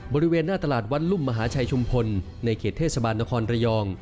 บริเวณหน้าตลาดวัดรุ่มมหาชัยชุมพลในเขตเทศบาลนครระยอง